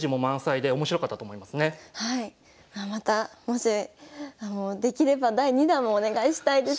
またもしできれば第２弾もお願いしたいです。